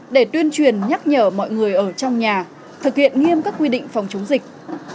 để tuyên truyền nhắc nhở mọi người ở trong nhà thực hiện nghiêm các quy định phòng chống dịch